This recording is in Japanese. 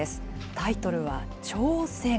タイトルは、挑戦。